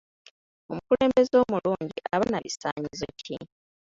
Omukulembeze omulungi aba na bisaanyizo ki?